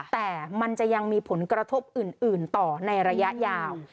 แต่มันจะยังมีผลกระทบอื่นต่อในระยะยาว